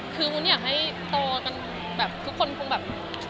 คือวุ้นอยากให้โตจนแบบทุกคนคงแบบ